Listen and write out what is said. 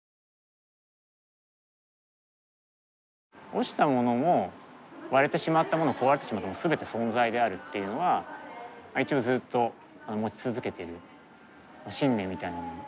落ちたものも割れてしまったもの壊してしまったもの全て存在であるっていうのは一応ずっと持ち続けている信念みたいなもの。